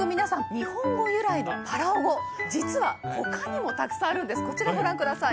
日本語由来のパラオ語実は他にもたくさんあるんですこちらご覧ください